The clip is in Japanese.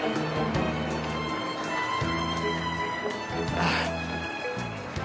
ああ！